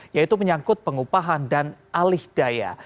yaitu menyangkut pengupahan dan alih daya